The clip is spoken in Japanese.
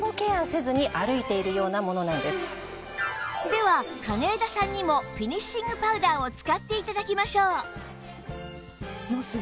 では金枝さんにもフィニッシングパウダーを使って頂きましょう